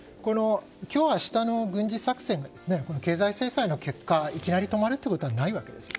今日明日の軍事作戦が経済制裁の結果いきなり止まるということはないわけです。